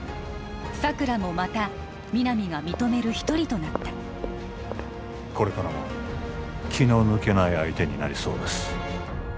佐久良もまた皆実が認める一人となったこれからも気の抜けない相手になりそうです